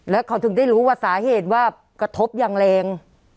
แล้วเขาถึงได้รู้ว่าสาเหตุว่ากระทบอย่างแรง